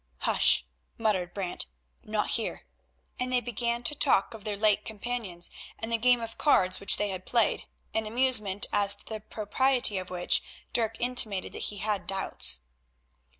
"Hush!" muttered Brant, "not here," and they began to talk of their late companions and the game of cards which they had played, an amusement as to the propriety of which Dirk intimated that he had doubts.